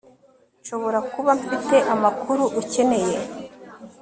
nshobora kuba mfite amakuru ukeneye